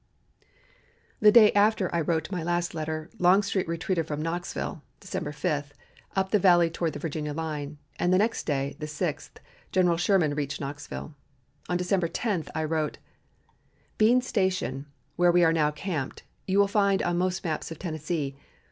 The day after I wrote my last letter, Longstreet retreated from Knoxville (December 5) up the valley toward the Virginia line, and the next day (the 6th) General Sherman reached Knoxville. On December 10 I wrote: "Bean Station, where we are now camped, you will find on most maps of Tennessee.